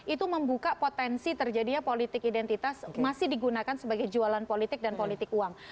itu membuka potensi terjadinya politik identitas masih digunakan sebagai jualan politik dan politik uang